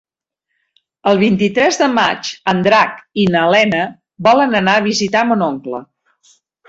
El vint-i-tres de maig en Drac i na Lena volen anar a visitar mon oncle.